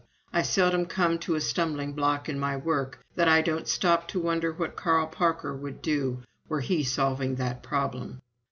I seldom come to a stumbling block in my work that I don't stop to wonder what Carl Parker would do were he solving that problem."